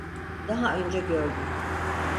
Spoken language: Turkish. Daha önce gördüm.